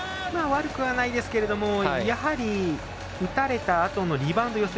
悪くはないですけどやはり打たれたあとのリバウンド。